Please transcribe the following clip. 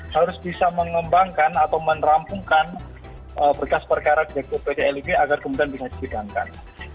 harus bisa mengembangkan atau menerampungkan berkas perkara direktur pt lib agar kemudian bisa disidangkan